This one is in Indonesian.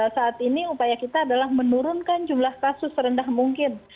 saat ini upaya kita adalah menurunkan jumlah kasus serendah mungkin